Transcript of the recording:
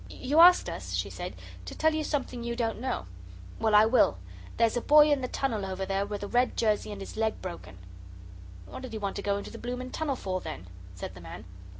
"You asked us," she said, "to tell you something you don't know. Well, I will. There's a boy in the tunnel over there with a red jersey and his leg broken." "What did he want to go into the blooming tunnel for, then?" said the man.